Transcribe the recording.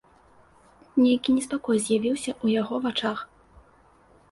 Нейкі неспакой з'явіўся ў яго вачах.